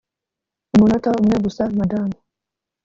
umunota umwe gusa, madamu.